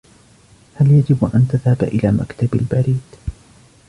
هل يجب أن تذهب إلى مكتب البريد؟